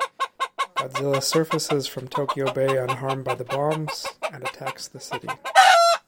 Godzilla surfaces from Tokyo Bay unharmed by the bombs and attacks the city.